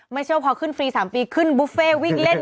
ไม่ใช่ว่าพอขึ้นฟรี๓ปีขึ้นบุฟเฟ่วิ่งเล่น